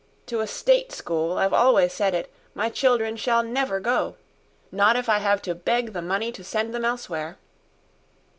To a State School, I've always said it, my children shall never go not if I have to beg the money to send them elsewhere."